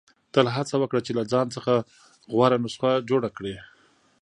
• تل هڅه وکړه چې له ځان څخه غوره نسخه جوړه کړې.